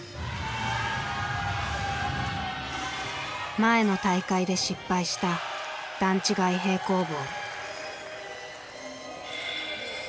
前の大会で失敗した段違い平行棒。